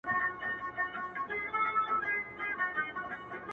زما په غــېږه كــي نــاســور ويـده دی’